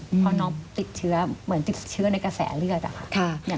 เพราะน้องติดเชื้อเหมือนติดเชื้อในกระแสเลือดอะค่ะ